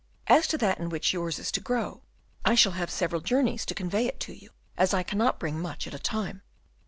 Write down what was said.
As to that in which yours is to grow, I shall have several journeys to convey it to you, as I cannot bring much at a time."